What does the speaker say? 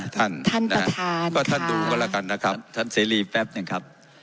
ท่านท่านประธานค่ะก็ท่านดูกันละกันนะครับท่านเซลีแป๊บหนึ่งครับ